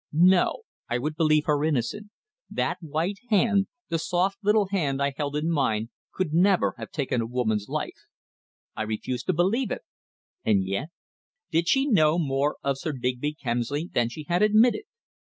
No. I would believe her innocent. That white hand the soft little hand I held in mine could never have taken a woman's life. I refused to believe it, and yet! Did she know more of Sir Digby Kemsley than she had admitted?